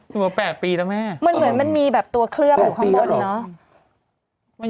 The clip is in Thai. ดูว่าแปดปีแล้วแม่เหมือนเหมือนมันมีแบบตัวเคลือบข้างบนเนอะ